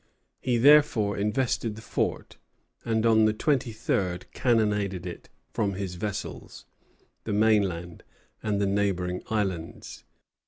He therefore invested the fort, and, on the twenty third, cannonaded it from his vessels, the mainland, and the neighboring islands.